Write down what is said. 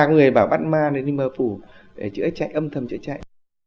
người bảo bắt ma nên đi mở phủ để chữa chạy âm thầm chữa chạy